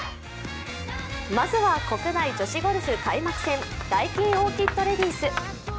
まずは国内女子ゴルフ開幕戦ダイキンオーキッドレディス。